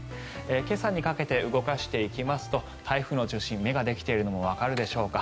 今朝にかけて動かしていきますと台風の中心、目ができているのわかるでしょうか。